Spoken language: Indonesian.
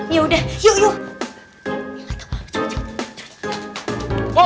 yaudah yuk yuk